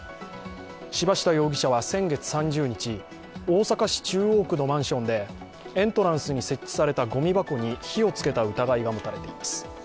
柴下容疑者は先月３０日、大阪市中央区のマンションでエントランスに設置されたごみ箱に火をつけた疑いが持たれています。